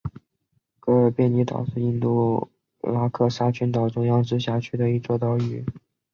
格尔贝尼岛是印度拉克沙群岛中央直辖区的一座岛屿。